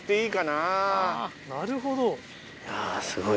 なるほど。